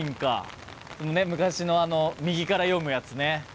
ねっ昔のあの右から読むやつね。